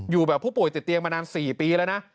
อยู่แบบผู้ป่วยติดเตียงมานาน๔ปีแล้วนะ